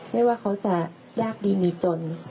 ไม่ว่าเขาจะดับมีดีมีจน